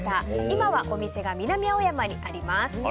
今はお店が南青山にあります。